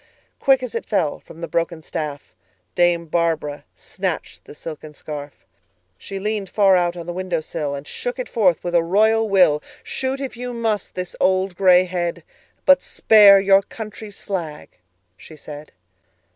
Quick, as it fell, from the broken staffDame Barbara snatched the silken scarf; She leaned far out on the window sill, And shook it forth with a royal will."Shoot, if you must, this old gray head, But spare your country's flag," she said.